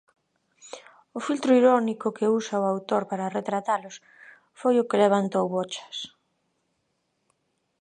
O filtro irónico que usa o autor para retratalos foi o que levantou bochas.